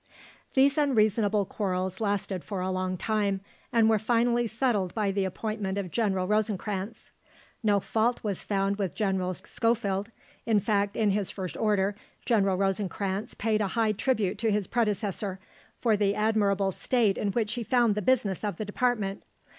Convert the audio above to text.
These unreasonable quarrels lasted for a long time, and were finally settled by the appointment of General Rosencranz. No fault was found with General Schofield in fact, in his first order, General Rosencranz paid a high tribute to his predecessor, for the admirable state in which he found the business of the department.